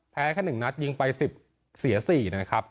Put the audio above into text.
แค่๑นัดยิงไป๑๐เสีย๔นะครับ